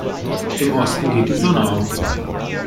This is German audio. Im Osten geht die Sonne auf.